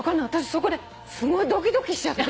そこですごいドキドキしちゃって。